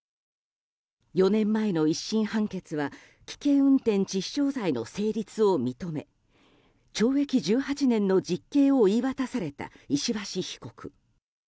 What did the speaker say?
４年前の１審判決は危険運転致死傷罪の成立を認め懲役１８年の実刑を言い渡された石橋被告。